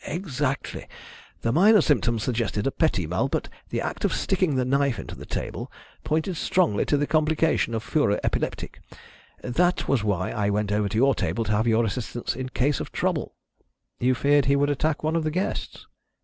"Exactly. The minor symptoms suggested petit mal, but the act of sticking the knife into the table pointed strongly to the complication of furor epilepticus. That was why I went over to your table to have your assistance in case of trouble." "You feared he would attack one of the guests?"